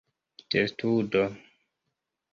testudo